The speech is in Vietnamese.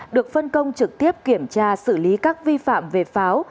được phân công trực tiếp kiểm tra xử lý các vi phạm về pháo